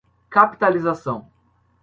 Capitalização